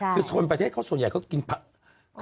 คือคนประเทศเขาส่วนใหญ่เขากินผัก